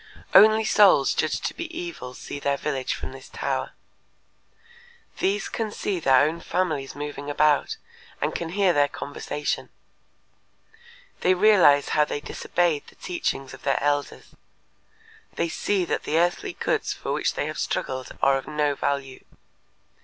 Only souls judged to be evil see their village from this tower. These can see their own families moving about, and can hear their conversation. They realize how they disobeyed the teachings of their elders. They see that the earthly goods for which they have struggled are of no value.